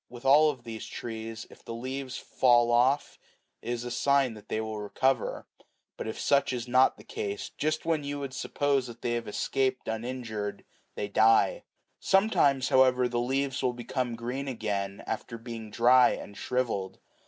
With all of these trees, if the leaves fall off, it is a sign that they will recover ; but if such is not the case, just when you would suppose that they have escaped uninjured, they die. Sometimes, however, the leaves will become green again, after being dry and shrivelled.